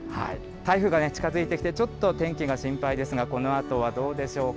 台風が近づいてきて、ちょっと天気が心配ですが、このあとはどうでしょうか。